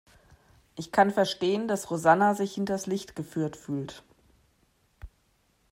Ich kann verstehen, dass Rosanna sich hinters Licht geführt fühlt.